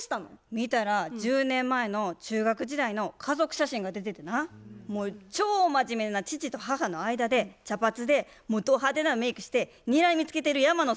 見たら１０年前の中学時代の家族写真が出ててなもう超真面目な父と母の間で茶髪でど派手なメイクしてにらみつけてる山野さんが写ってたんやて。